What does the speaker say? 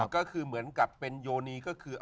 ก็คือเหมือนกับเป็นโยนีก็คือ